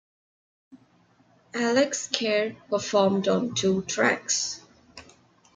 Alex Caird performed on two tracks.